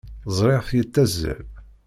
Ẓriɣ-t yettazzal.